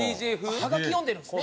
はがき読んでるんですね。